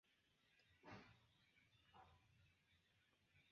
Rakontu sonĝon, kiun vi faris.